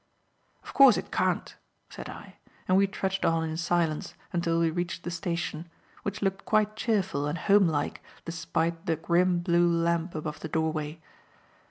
"Of course it can't," said I, and we trudged on in silence until we reached the station, which looked quite cheerful and homelike despite the grim blue lamp above the doorway.